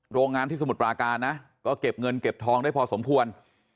โรงงานที่สมุทรปราการนะก็เก็บเงินเก็บทองได้พอสมควร